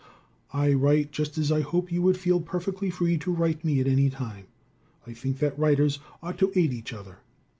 I write just as I hope you would feel perfectly free to write me at any time. I think that writers ought to aid each other.